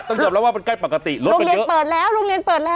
ต้องจับแล้วว่ามันใกล้ปกติรถมันเยอะโรงเรียนเปิดแล้วโรงเรียนเปิดแล้ว